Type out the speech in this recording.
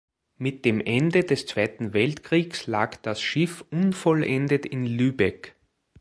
Mit dem Ende des Zweiten Weltkriegs lag das Schiff unvollendet in Lübeck.